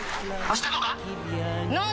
あしたとか？